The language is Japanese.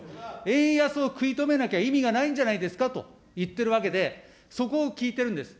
円安を食い止めなきゃ意味がないんじゃないんですかと言っているわけで、そこを聞いてるんです。